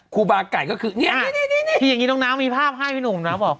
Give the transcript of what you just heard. ครูบาไก่ก็คือเนี่ยนี่อย่างนี้น้องน้ำมีภาพให้พี่หนุ่มนะบอก